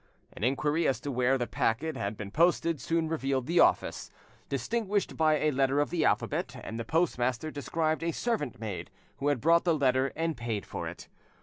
An inquiry as to where the packet had been posted soon revealed the office, distinguished by a letter of the alphabet, and the postmaster described a servant maid who had brought the letter and paid for it.